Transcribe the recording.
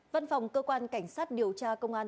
văn phòng cơ quan cảnh sát điều tra công an